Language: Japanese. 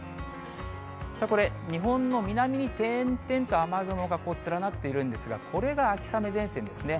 これ、日本の南に点々と雨雲が連なっているんですが、これが秋雨前線ですね。